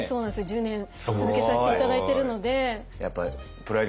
１０年続けさせて頂いてるので。